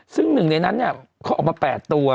ซึ่ง๑ในนั้นเนี่ยเขาออกมา๘ตัว